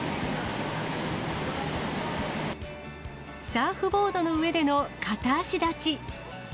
サーフボードの上での片足立ち。